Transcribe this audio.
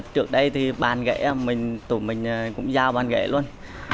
trước đây thì bàn ghệ tụi mình cũng giao bàn ghệ luôn